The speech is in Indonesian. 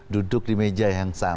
duduk di meja yang sama